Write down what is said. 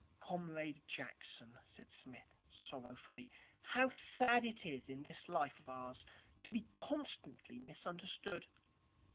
'Comrade Jackson,' said Psmith sorrowfully, 'how sad it is in this life of ours to be consistently misunderstood.